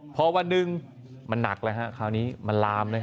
พอวันหนึ่งมันหนักแล้วคราวนี้มันลาม